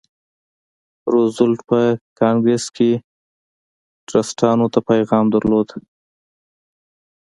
روزولټ په کانګریس کې ټرستانو ته پیغام درلود.